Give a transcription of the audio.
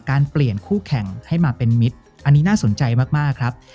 เปลี่ยนคู่แข่งให้มาเป็นมิตรอันนี้น่าสนใจมากครับ